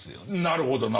なるほど。